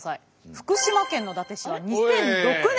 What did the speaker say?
福島県の伊達市は２００６年。